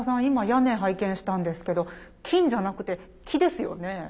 今屋根拝見したんですけど金じゃなくて木ですよね。